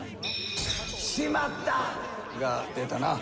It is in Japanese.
「しまった！」が出たな。